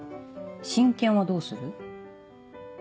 親権はどうする？